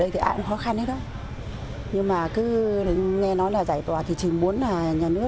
vì kiểu dân rất là khó khăn